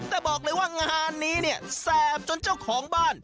แต่บอกเลยว่างานนี้เนี่ยแสบจนเจ้าของบ้าน